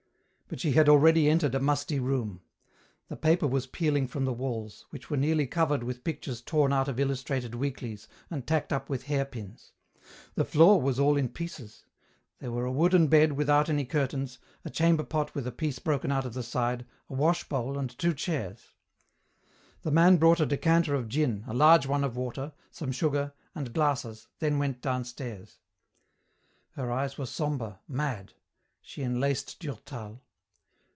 But she had already entered a musty room. The paper was peeling from the walls, which were nearly covered with pictures torn out of illustrated weeklies and tacked up with hairpins. The floor was all in pieces. There were a wooden bed without any curtains, a chamber pot with a piece broken out of the side, a wash bowl and two chairs. The man brought a decanter of gin, a large one of water, some sugar, and glasses, then went downstairs. Her eyes were sombre, mad. She enlaced Durtal.